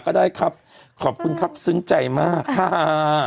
ก็ได้ครับขอบคุณครับซึ้งใจมากค่ะ